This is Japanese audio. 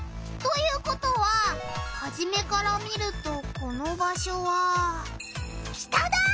ということはハジメから見るとこの場しょは北だ！